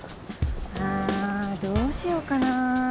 あどうしよっかな。